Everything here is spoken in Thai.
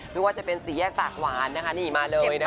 ไม่ว่าจะเป็นสี่แยกปากหวานนะคะนี่มาเลยนะคะ